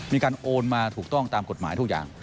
มีการโอนมาถูกต้องตามกฎหมายทุกอย่าง